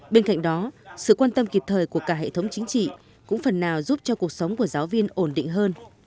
bên cạnh đó sự quan tâm kịp thời của cả hệ thống chính trị cũng phần nào giúp cho cuộc sống của giáo viên ổn định hơn